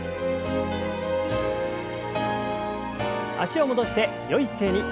脚を戻してよい姿勢に。